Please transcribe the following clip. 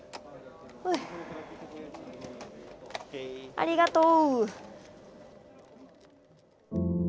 ありがとう。